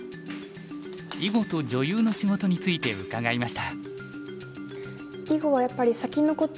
囲碁と女優の仕事について伺いました。